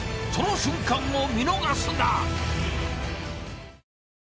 その瞬間を見逃すな。